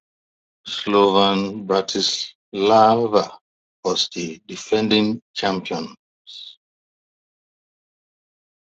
Slovan Bratislava was the defending champions.